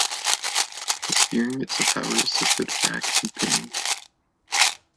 The steering is a power-assisted rack-and-pinion.